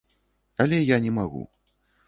Але я не магу.